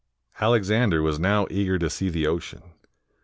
Alexander was now eager to see the ocean.